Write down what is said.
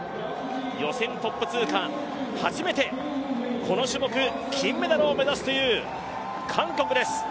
予選トップ通過、初めてこの種目金メダルを目指すという韓国です。